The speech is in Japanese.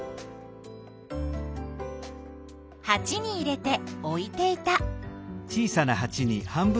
はちに入れて置いていた。